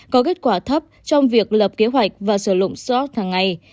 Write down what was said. có kết quả thấp trong việc lập kế hoạch và sử dụng slot hàng ngày